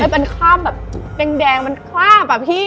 เป็นคราบแบบแดงมันคราบอะพี่